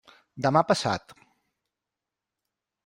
Demà passat.